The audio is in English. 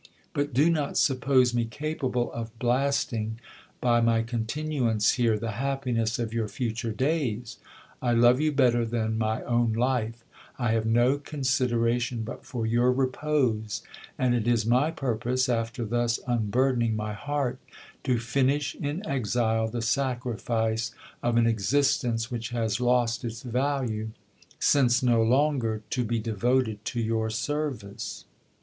But do not suppose me capable of blasting, by my continuance here, the happiness of your future days. I love you better than my own life ; I have no consideration but for your repose ; and it is my purpose, after thus unbur dening my heart, to finish in exile the sacrifice of an existence which has lost its value since no longer to be devoted to your service.